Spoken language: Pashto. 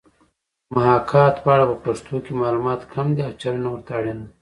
محاکات په اړه په پښتو کې معلومات کم دي او څېړنه ورته اړینه ده